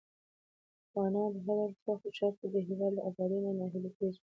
افغانان په هر ډول سختو شرايطو کې د هېواد له ابادۍ نه ناهیلي کېږي.